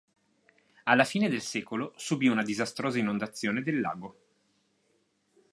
Alla fine del secolo subì una disastrosa inondazione del lago.